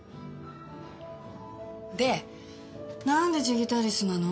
でなんでジギタリスなの？